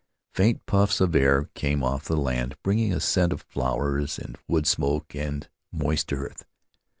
Faint puffs of air came off the land, bringing a scent of flowers and wood smoke and moist earth.